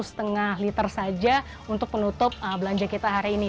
satu lima liter saja untuk penutup belanja kita hari ini